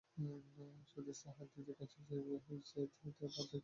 সতীশ তাহার দিদির কাছ হইতে চাবি আদায় করিয়া আর্গিন আনিয়া উপস্থিত করিল।